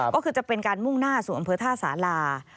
ก็คือจะเป็นการมุ่งหน้าสู่อำเภอท่าสารา